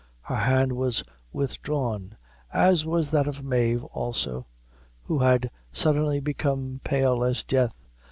Her hand was withdrawn, as was that of Mave also, who had suddenly become pale as death.